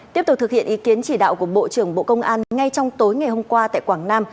tiếp tục thực hiện ý kiến chỉ đạo của bộ trưởng bộ công an ngay trong tối ngày hôm qua tại quảng nam